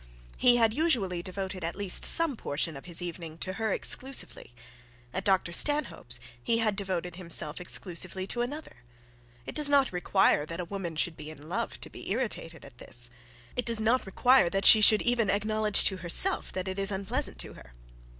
He had usually devoted at least some portion of his evening to her exclusively. At Dr Stanhope's he had devoted himself exclusively to another. It does not require that a woman should be in love to be irritated at this; it does not require that she should even acknowledge to herself that it was unpleasant to her.